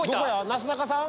なすなかさん！